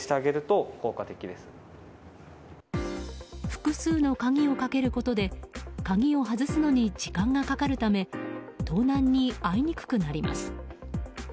複数の鍵をかけることで鍵を外すのに時間がかかるため盗難に遭いにくくなります。